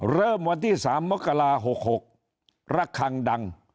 เริ่มวันที่๓มกรา๖๖ระคังดัง